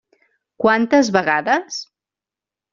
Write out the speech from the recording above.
Quantes vegades?